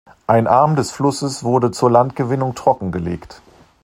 Ein Arm des Flusses wurde zur Landgewinnung trockengelegt.